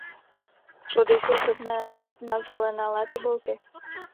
Plody jsou drobné nazelenalé tobolky.